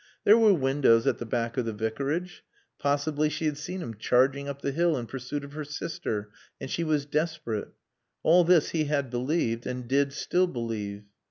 There were windows at the back of the Vicarage. Possibly she had seen him charging up the hill in pursuit of her sister, and she was desperate. All this he had believed and did still believe.